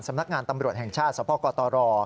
สำนักงานตำรวจแห่งชาติสพกตร